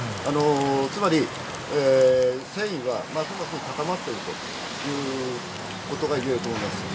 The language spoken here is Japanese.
つまり、戦意はますます高まっているということがいえると思います。